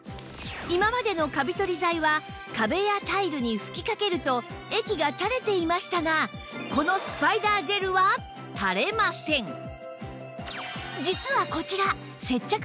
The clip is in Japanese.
今までのカビ取り剤は壁やタイルに吹きかけると液がたれていましたがこのスパイダージェルはたれません